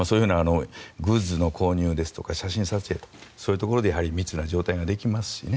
グッズの購入ですとか写真撮影そういうところで密な状態ができますしね。